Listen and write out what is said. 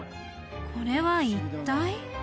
これは一体？